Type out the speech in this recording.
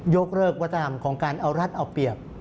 กเลิกวัฒนธรรมของการเอารัฐเอาเปรียบ